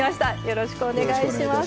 よろしくお願いします。